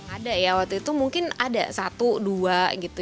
ada ya waktu itu mungkin ada satu dua gitu